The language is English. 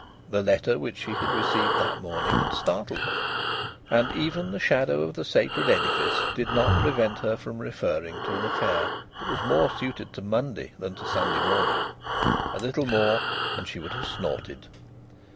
The letter which she had received that morning had startled her. And even the shadow of the sacred edifice did not prevent her from referring to an affair that was more suited to Monday than to Sunday morning. A little more, and she would have snorted.